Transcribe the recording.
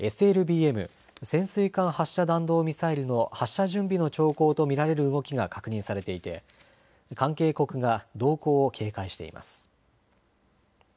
ＳＬＢＭ・潜水艦発射弾道ミサイルの発射準備の兆候と見られる動きが確認されていて関係国が動向を警戒しています。